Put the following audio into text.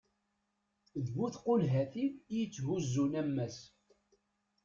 d bu tqulhatin i yetthuzzun ammas